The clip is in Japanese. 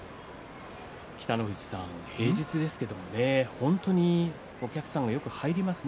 北の富士さん、平日ですがお客さんがよく入りますね